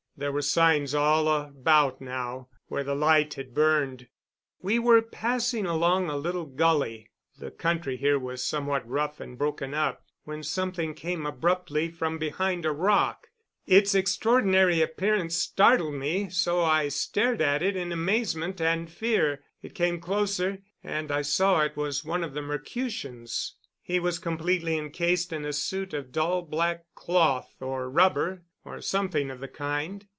There were signs all about now where the light had burned. We were passing along a little gully the country here was somewhat rough and broken up when something came abruptly from behind a rock. Its extraordinary appearance startled me so I stared at it in amazement and fear. It came closer, and I saw it was one of the Mercutians. He was completely incased in a suit of dull black cloth, or rubber, or something of the kind.